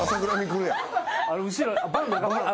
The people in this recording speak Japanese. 後ろ。